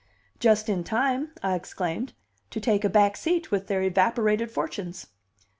"Just in time," I exclaimed, "to take a back seat with their evaporated fortunes!"